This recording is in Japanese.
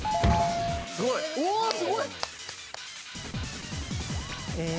すごい！え。